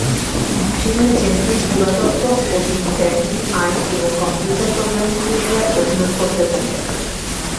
সেখানে জেনকিন্স পুরাতত্ত্ব ও তিনি ব্যাংকিং আইন এবং কম্পিউটার প্রোগ্রামিং বিষয়ে অধ্যয়ন করতে থাকেন।